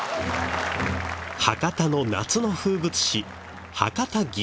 博多の夏の風物詩博多園山笠。